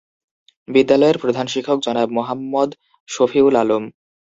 বিদ্যালয়ের প্রধান শিক্ষক জনাব মোহাম্মদ শফিউল আলম।